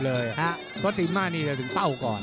เพราะตีม่านี่จะถึงเป้าก่อน